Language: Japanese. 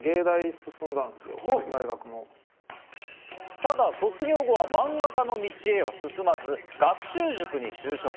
ただ卒業後は漫画家の道へは進まず、学習塾に就職。